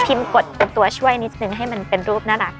คลิมกดไปตัวช่วยนิดนิดนึงให้มันเป็นรูปน่ารัก